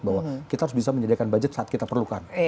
bahwa kita harus bisa menyediakan budget saat kita perlukan